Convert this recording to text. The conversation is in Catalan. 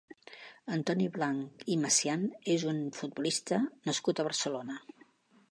Antoni Blanch i Macian és un futbolista nascut a Barcelona.